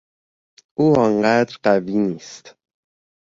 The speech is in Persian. او آنقدر قوی نیست.